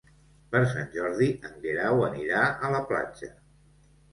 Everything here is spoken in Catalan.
Per Sant Jordi en Guerau anirà a la platja.